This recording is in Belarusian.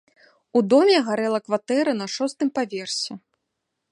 У доме гарэла кватэра на шостым паверсе.